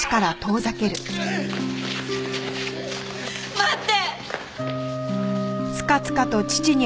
待って！